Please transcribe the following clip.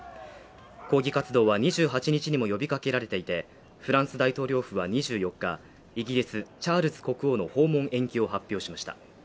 抗議活動は２８日にも呼び掛けられていて、フランス大統領府は２４日、イギリス、チャールズ国王の訪問延期を発表しました。